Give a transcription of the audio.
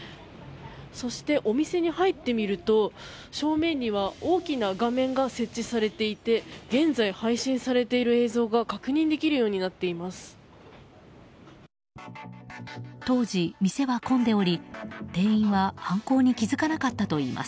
そしてお店に入ってみると正面には大きな画面が設置されていて現在、配信されている映像が確認できるようになっています。